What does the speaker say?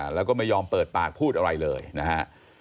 แล้วก็ไม่ยอมเปิดปากพูดอะไรเลยนะฮะ